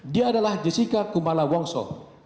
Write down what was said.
dia adalah jessica kumala wongso